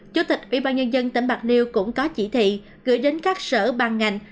chủ tịch ủy ban nhân dân tỉnh bạc liêu cũng có chỉ thị gửi đến các sở bàn ngành